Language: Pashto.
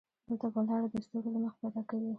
دلته به لاره د ستورو له مخې پيدا کوې.